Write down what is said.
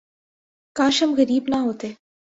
کاش ہم غریب نہ ہوتے